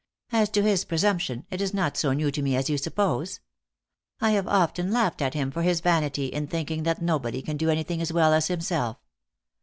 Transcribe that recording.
As to his presumption, it is not so new to me as you suppose. I have often laughed at him for his vanity in thinking that nobody can do any thing as well as himself.